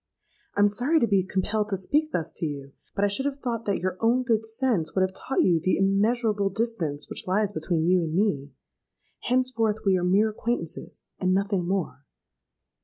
I am sorry to be compelled to speak thus to you; but I should have thought that your own good sense would have taught you the immeasurable distance which lies between you and me. Henceforth we are mere acquaintances, and nothing more.'